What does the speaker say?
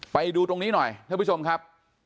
ไปดูตรงนี้หน่อยท่านผู้ชมครับ